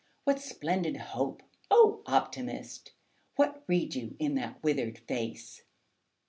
What splendid hope? O Optimist! What read you in that withered face?